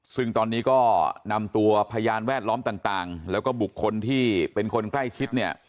ซึ่งตอนนี้ก็นำตัวพยานแวดล้อมต่างแล้วก็บุคคลที่เป็นคนใกล้ชิดเนี่ย